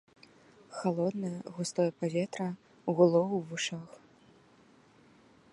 Халоднае густое паветра гуло ў вушах.